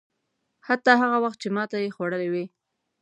حتی هغه وخت چې ماته یې خوړلې وي.